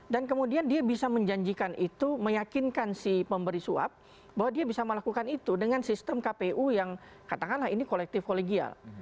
dan kemudian dia bisa menjanjikan itu meyakinkan si pemberi suap bahwa dia bisa melakukan itu dengan sistem kpu yang katakanlah ini kolektif kolegial